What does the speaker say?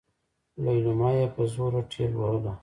ليلما يې په زوره ټېلوهله.